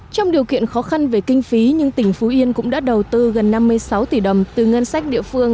trong điều kiện khó khăn về kinh phí nhưng tỉnh phú yên cũng đã đầu tư gần năm mươi sáu tỷ đồng từ ngân sách địa phương